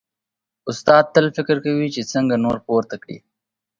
استاد تل فکر کوي چې څنګه نور پورته کړي.